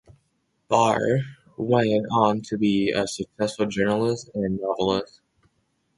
Barr went on to be a successful journalist and novelist.